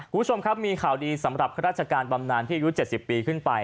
คุณผู้ชมครับมีข่าวดีสำหรับข้าราชการบำนานที่อายุ๗๐ปีขึ้นไป